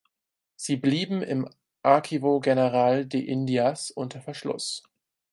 Sie blieben im Archivo General de Indias unter Verschluss.